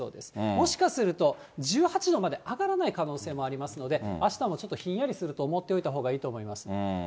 もしかすると、１８度まで上がらない可能性もありますので、あしたもちょっとひんやりすると思っておいたほうがいいと思います。